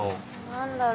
何だろう？